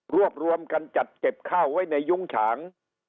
รวมกันจัดเก็บข้าวไว้ในยุ้งฉาง